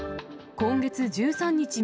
今月１３日